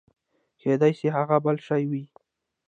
کېداى سي هغه بل شى وي.